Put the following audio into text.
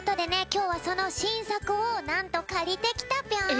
きょうはそのしんさくをなんとかりてきたぴょん。